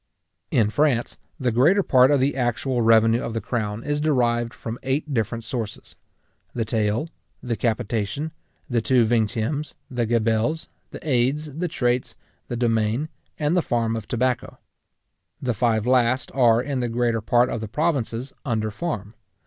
In France, the greater part of the actual revenue of the crown is derived from eight different sources; the taille, the capitation, the two vingtiemes, the gabelles, the aides, the traites, the domaine, and the farm of tobacco. The five last are, in the greater part of the provinces, under farm.